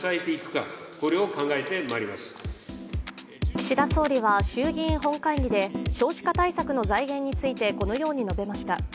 岸田総理は衆議院本会議で少子化対策の財源についてこのように述べました。